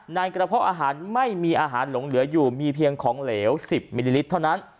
ในกระเพาะอาหารไม่มีอาหารหลงเหลืออยู่มีเพียงของเหลว๑๐มิลลิลิตรเท่านั้น